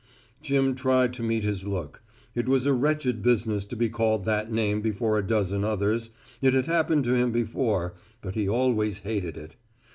Jim tried to meet his look. It was a wretched business to be called that name before a dozen others it had happened to him before, but he always hated it.